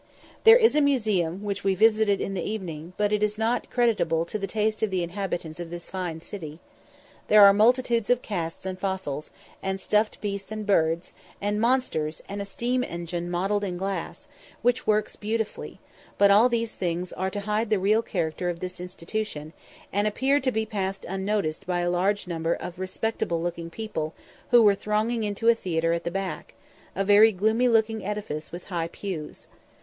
There is a museum, which we visited in the evening, but it is not creditable to the taste of the inhabitants of this fine city. There are multitudes of casts and fossils, and stuffed beasts and birds, and monsters, and a steam engine modelled in glass, which works beautifully; but all these things are to hide the real character of this institution, and appeared to be passed unnoticed by a large number of respectable looking people who were thronging into a theatre at the back a very gloomy looking edifice, with high pews.